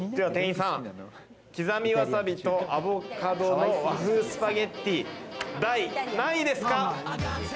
では、店員さん、刻みわさびとアボカドの和風スパゲッティ、第何位ですか？